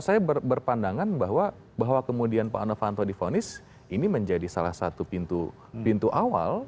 saya berpandangan bahwa kemudian pak novanto difonis ini menjadi salah satu pintu awal